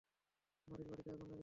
মারির বাড়িতে আগুন লেগেছে।